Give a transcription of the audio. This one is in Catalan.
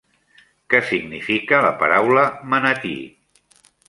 Què significa la paraula manatí?